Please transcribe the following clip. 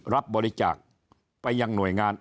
รับบริจาคไปยังหน่วยงาน